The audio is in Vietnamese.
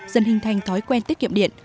dân hình thành thói quen tiết kiệm điện